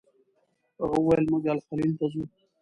هغه وویل موږ الخلیل ته ځو.